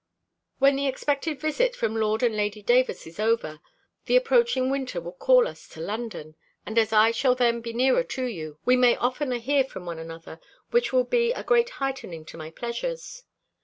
When the expected visit from Lord and Lady Davers is over, the approaching winter will call us to London; and as I shall then be nearer to you, we may oftener hear from one another, which will be a great heightening to my pleasures.